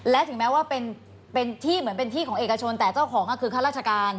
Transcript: และถึงแม้ว่าเป็นที่เหมือนเป็นที่ของเอกชนแต่เจ้าของก็คือข้าราชการ